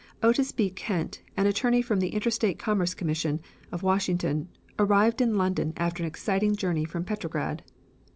Otis B. Kent, an attorney for the Interstate Commerce Commission, of Washington, arrived in London after an exciting journey from Petrograd.